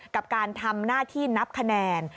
กับการทำหน้าที่นับคะแนน